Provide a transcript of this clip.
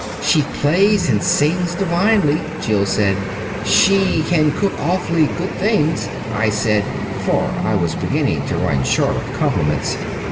"She plays and sings divinely," Jill said. "She can cook awfully good things," I said, for I was beginning to run short of compliments.